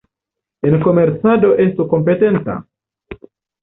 En komercado, estu kompetenta.